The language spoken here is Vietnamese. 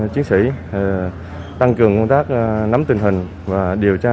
chiến sĩ tăng cường công tác nắm tình hình và điều tra